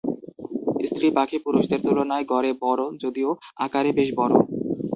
স্ত্রী পাখি পুরুষদের তুলনায় গড়ে বড়, যদিও আকারে বেশ বড়।